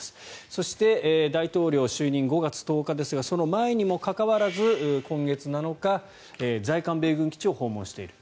そして、大統領就任５月１０日ですがその前にもかかわらず今月７日、在韓米軍基地を訪問している。